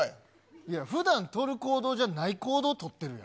いや、ふだん、取る行動じゃない行動とってるよ。